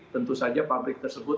tentu saja pabrik tersebut